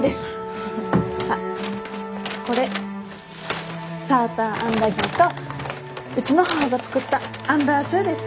あっこれサーターアンダギーとうちの母が作ったアンダンスーです。